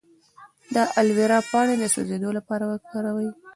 د الوویرا پاڼې د سوځیدو لپاره وکاروئ